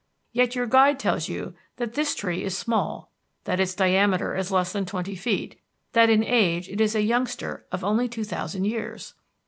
Yet your guide tells you that this tree is small; that its diameter is less than twenty feet; that in age it is a youngster of only two thousand years!